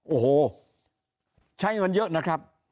โอ้โหใช้เงินเยอะนะครับ